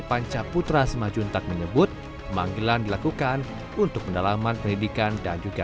pancaputra semajuntak menyebut pemanggilan dilakukan untuk pendalaman pendidikan dan juga